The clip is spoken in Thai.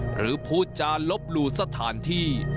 หรือพูดจานลบหลู่สถานที่